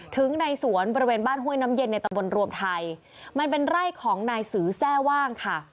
ในสวนบริเวณบ้านห้วยน้ำเย็นในตะบนรวมไทยมันเป็นไร่ของนายสือแทร่ว่างค่ะ